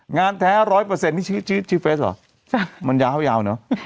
งานแท้๑๐๐นี่ชื่อเฟสเหรอมันยาวเนอะ